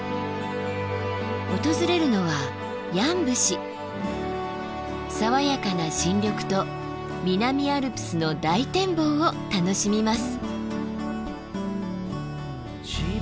訪れるのは爽やかな新緑と南アルプスの大展望を楽しみます。